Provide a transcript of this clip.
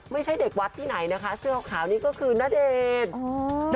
ไม่ใช่เด็กวัดที่ไหนนะคะเสื้อขาวนี่ก็คือณเดชน์